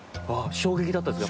衝撃だったですか？